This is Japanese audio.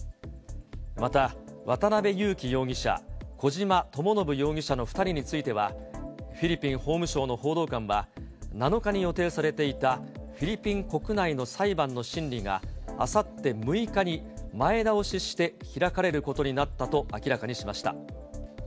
また、渡辺優樹容疑者、小島智信容疑者の２人については、フィリピン法務省の報道官は、７日に予定されていたフィリピン国内の裁判の審理があさって６日に、前倒しして開かれることになったと明らかにしました。